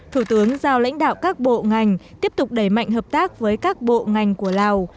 thủ tướng giao lãnh đạo các bộ ngành tiếp tục đẩy mạnh hợp tác với các bộ ngành của lào